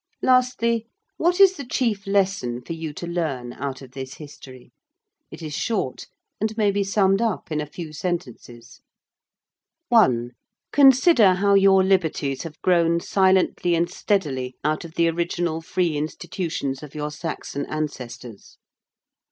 Lastly, what is the chief lesson for you to learn out of this history? It is short, and may be summed up in a few sentences. 1. Consider how your liberties have grown silently and steadily out of the original free institutions of your Saxon ancestors.